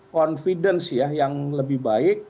kepercayaan yang lebih baik